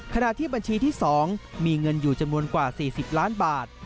ขณะที่บัญชีที่๒มีเงินอยู่จำนวนกว่า๔๐ล้านบาท